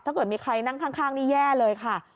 ถ้าเกิดมีใครนั่งข้างนี่แย่เลยค่ะ